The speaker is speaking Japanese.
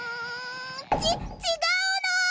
ちちがうの！